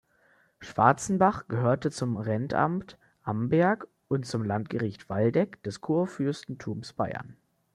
Schwarzenbach gehörte zum Rentamt Amberg und zum Landgericht Waldeck des Kurfürstentums Bayern.